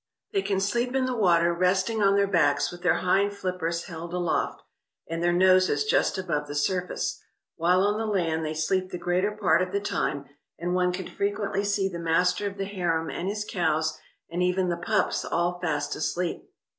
They can sleep in the water, resting on their backs, with their hind flippers held aloft, and their noses just above the surface. While on the land they sleep the greater part of the time, and one can frequently see the master of the harem and his cows, and even the pups, all fast asleep.